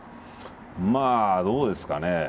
まあどうですかね。